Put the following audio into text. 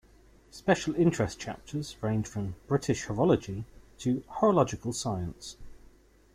Special interest chapters range from "British Horology" to "Horological Science".